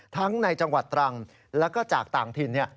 ในจังหวัดตรังแล้วก็จากต่างถิ่น